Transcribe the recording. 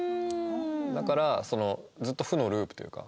だからそのずっと負のループというか。